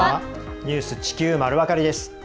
「ニュース地球まるわかり」です。